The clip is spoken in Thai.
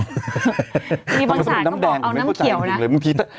มีบางศาลก็บอกเอาน้ำเขียวนะมีบางศาลก็บอกเอาน้ำแดงก็ไม่เข้าใจอย่างนี้เลยบางที